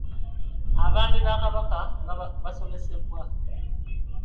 Abaami ba Kabaka nga basomesebwa.